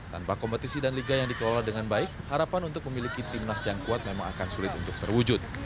tanpa kompetisi dan liga yang dikelola dengan baik harapan untuk memiliki timnas yang kuat memang akan sulit untuk terwujud